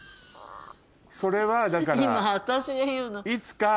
それはだから。